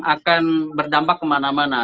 akan berdampak kemana mana